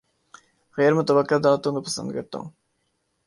غیر متوقع دعوتوں کو پسند کرتا ہوں